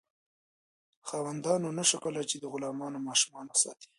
خاوندانو نشو کولی چې د غلامانو ماشومان وساتي.